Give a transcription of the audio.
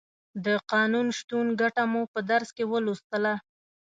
د قانون شتون ګټه مو په درس کې ولوستله.